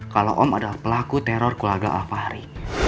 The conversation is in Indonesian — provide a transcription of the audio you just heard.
kalau om adalah pelaku teror kulaga al fahri